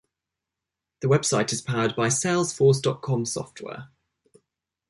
The website is powered by Salesforce dot com software.